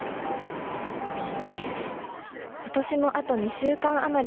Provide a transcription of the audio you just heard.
ことしも、あと２週間余り。